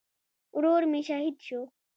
ورور مې شهید شو